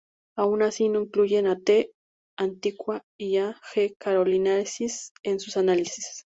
Aun así, no incluyeron a "T. antiqua" y a "G. carolinensis" en su análisis.